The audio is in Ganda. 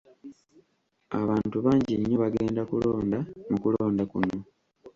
Abantu bangi nnyo bagenda kulonda mu kulonda kuno.